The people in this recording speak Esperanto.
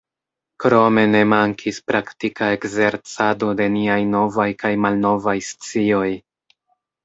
Krome ne mankis praktika ekzercado de niaj novaj kaj malnovaj scioj.